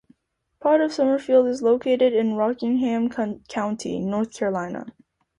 Part of Summerfield is located in Rockingham County, North Carolina.